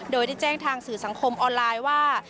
โดยได้แจ้งทางสื่อสังคมออนไลน์ว่า